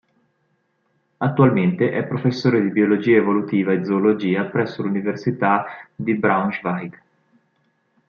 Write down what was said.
Attualmente è professore di biologia evolutiva e zoologia presso l'Università di Braunschweig.